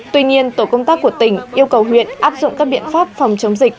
tuy nhiên tổ công tác của tỉnh yêu cầu huyện áp dụng các biện pháp phòng chống dịch